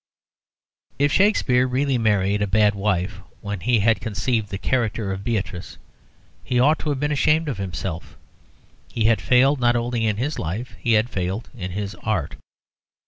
If Shakespeare really married a bad wife when he had conceived the character of Beatrice he ought to have been ashamed of himself: he had failed not only in his life, he had failed in his art.